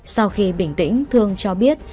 sau khi bình tĩnh thương cho biết